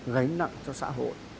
gánh nặng cho xã hội